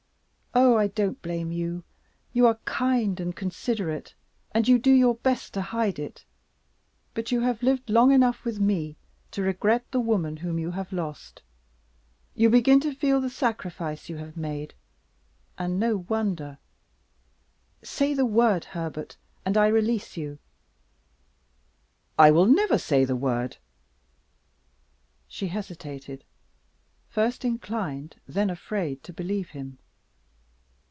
Oh, I don't blame you! You are kind and considerate, you do your best to hide it; but you have lived long enough with me to regret the woman whom you have lost. You begin to feel the sacrifice you have made and no wonder. Say the word, Herbert, and I release you." "I will never say the word!" She hesitated first inclined, then afraid, to believe him.